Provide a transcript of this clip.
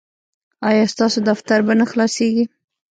ایا ستاسو دفتر به نه خلاصیږي؟